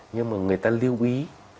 nhưng mà người ta lưu ý